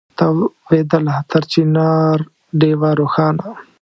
تاوېدله تر چنار ډېوه روښانه